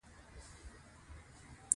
افغانستان د سنگ مرمر کوربه دی.